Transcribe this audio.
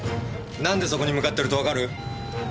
何でそこに向かってるとわかる？